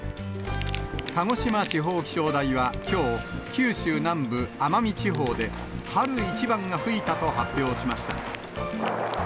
鹿児島地方気象台はきょう、九州南部・奄美地方で、春一番が吹いたと発表しました。